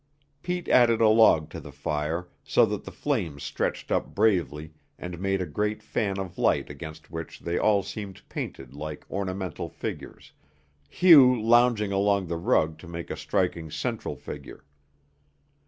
Pete added a log to the fire so that the flames stretched up bravely and made a great fan of light against which they all seemed painted like ornamental figures, Hugh lounging along the rug to make a striking central figure.